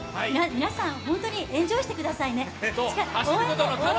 皆さんホントにエンジョイしてくださいね。